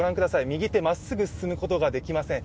右手まっすぐ進むことができません。